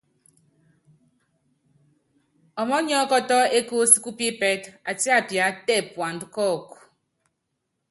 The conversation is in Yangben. Ɔmɔnyiɔ́kɔtɔ́ ékúsí kúpípɛtɛ́, atíapia tɛ puandá kɔ́ɔku.